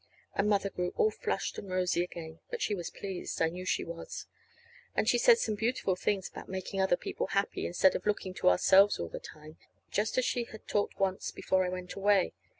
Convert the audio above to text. And Mother grew all flushed and rosy again, but she was pleased. I knew she was. And she said some beautiful things about making other people happy, instead of looking to ourselves all the time, just as she had talked once, before I went away.